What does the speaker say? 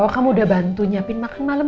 kamu udah bantu nyiapin makan malam